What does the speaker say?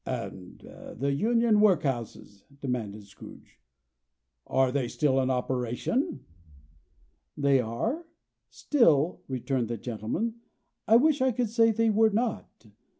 "And the Union workhouses?" demanded Scrooge. "Are they still in operation?" "They are. Still," returned the gentleman, "I wish I could say they were not.